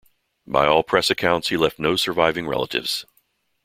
By all press accounts, he left no surviving relatives.